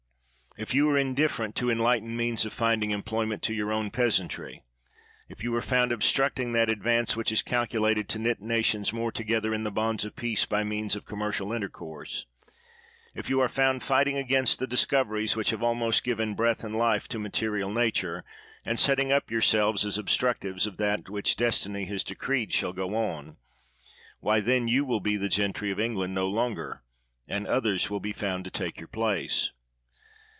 If you are indifferent to IV— 12 177 THE WORLD'S FAMOUS ORATIONS enlightened means of finding employment to your own peasantry; if you are found obstruct ing that advance which is calculated to knit nations more together in the bonds of peace by means of commercial intercourse; if you are found fighting against the discoveries which have almost given breath and life to material nature, and setting up yourselves as obstructives of that which destiny has decreed shall go on, — why, then, you will be the gentry of England no longer, and others will be found to take your place.